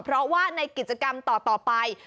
เพราะว่าในกิจกรรมต่อไป